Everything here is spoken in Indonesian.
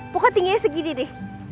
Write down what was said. pokoknya tingginya segini deh